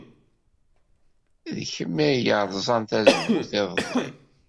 D kemm ay yerẓan tazewwut iḍelli.